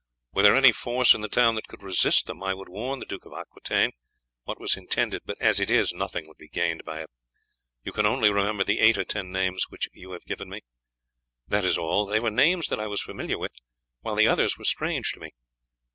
"Were there any force in the town that could resist them I would warn the Duke of Aquitaine what was intended, but as it is, nothing would be gained by it. You can only remember the eight or ten names that you have given me?" "That is all; they were names that I was familiar with, while the others were strange to me."